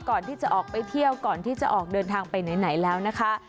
ก่อนที่จะออกไปเที่ยวก่อนที่จะออกเดินทางไปไหนแล้วนะคะ